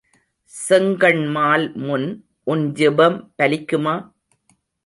செங்கண்மால் முன் உன் ஜெபம் பலிக்குமா?